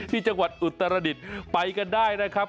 ที่จังหวัดอุตรดิษฐ์ไปกันได้นะครับ